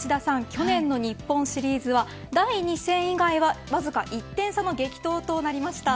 去年の日本シリーズは第２戦以外はわずか１点差の激闘となりました。